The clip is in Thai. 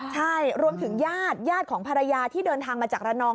ใช่รวมถึงญาติญาติของภรรยาที่เดินทางมาจากระนอง